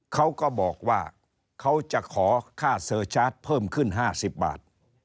เขาก็บอกว่าเขาจะขอค่าเซอร์ชาร์จเพิ่มขึ้น๕๐บาท